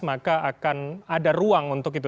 maka akan ada ruang untuk itu